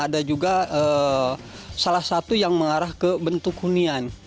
ada juga salah satu yang mengarah ke bentuk hunian